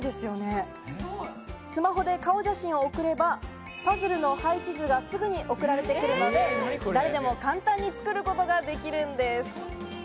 スマホで顔写真を送れば、パズルの配置図がすぐに送られてくるので、誰でも簡単に作ることができるんです。